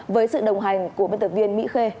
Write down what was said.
với sự đồng hành của biên tập viên mỹ khê